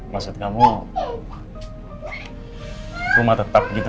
maksud kamu rumah tetap gitu